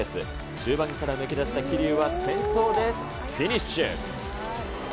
中盤から抜け出した桐生は、先頭でフィニッシュ。